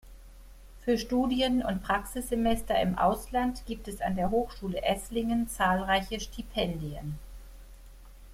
Für Studien- und Praxissemester im Ausland gibt es an der Hochschule Esslingen zahlreiche Stipendien.